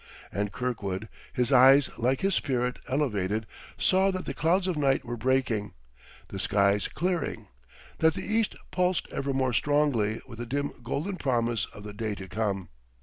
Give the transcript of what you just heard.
And Kirkwood, his eyes like his spirit elevated, saw that the clouds of night were breaking, the skies clearing, that the East pulsed ever more strongly with the dim golden promise of the day to come.